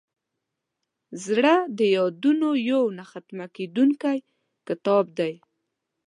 زړه د یادونو یو نه ختمېدونکی کتاب دی.